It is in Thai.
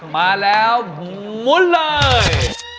มาแล้วหมุนเลย